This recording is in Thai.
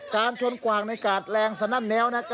การชนกว่างในกาดแรงสนั่นแนวนะครับ